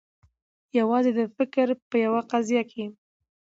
یوازي د فکر په یوه قضیه کي